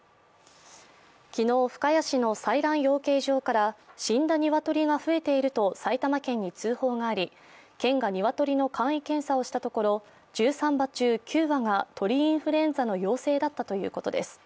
昨日、深谷市の採卵養鶏場から死んだ鶏が増えていると埼玉県に通報があり県が鶏の簡易検査をしたところ１３羽中９羽が鳥インフルエンザの陽性だったということです。